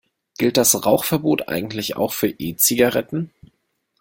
Gilt das Rauchverbot eigentlich auch für E-Zigaretten?